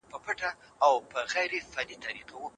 ساینسي مقالې د استاد او شاګرد د ګډو هڅو پایله وي.